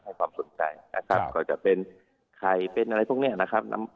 ความสนใจนะครับก็จะเป็นไข่เป็นอะไรพวกนี้นะครับ